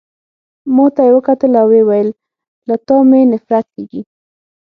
ما ته يې وکتل او ويې ویل: له تا مي نفرت کیږي.